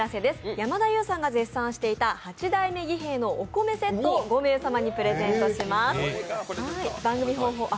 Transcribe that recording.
山田優さんが絶賛していた八代目儀兵衛のお米セットを５名様にプレゼントします。